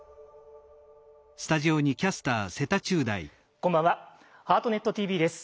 こんばんは「ハートネットＴＶ」です。